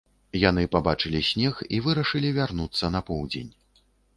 Яны пабачылі снег і вырашылі вярнуцца на поўдзень.